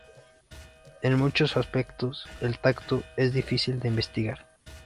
En muchos aspectos, el tacto es difícil de investigar.